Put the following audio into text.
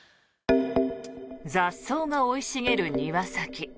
雑草が生い茂る庭先。